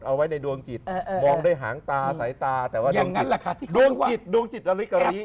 เอาไว้ในดวงจิตมองด้วยหางตาสายตาแต่ว่าดวงจิตดวงจิตระริกะลิ